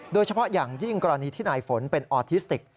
โดยเฉพาะอย่างยิ่งกรณีที่นายฝนเป็นออทิสติก